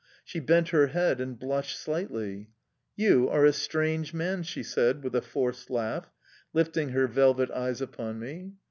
She bent her head and blushed slightly. "You are a strange man!" she said, with a forced laugh, lifting her velvet eyes upon me.